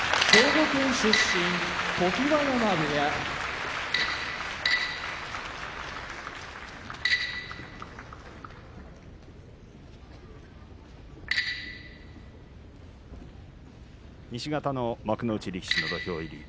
常盤山部屋西方の幕内力士の土俵入り。